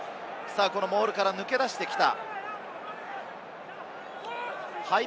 モールから抜け出してきた。